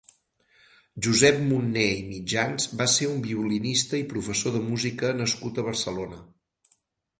Josep Munné i Mitjans va ser un violinista i professor de música nascut a Barcelona.